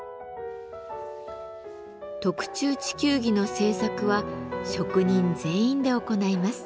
特注地球儀の制作は職人全員で行います。